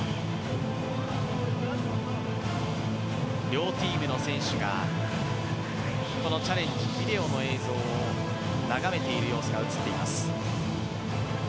両チームの選手がこのチャレンジビデオの映像を眺めている様子が映っています。